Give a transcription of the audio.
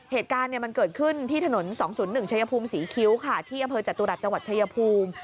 เหตุการณ์มันเกิดขึ้นที่ถนน๒๐๑ชัยภูมิศรีคิ้วค่ะที่อำเภอจตุรัสจังหวัดชายภูมิ